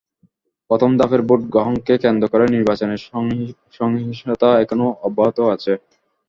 প্রথম ধাপের ভোট গ্রহণকে কেন্দ্র করে নির্বাচনী সহিংসতা এখনো অব্যাহত আছে।